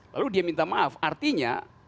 lalu dia minta maaf artinya